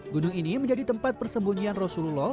gunung ini menjadi tempat persembunyian rasulullah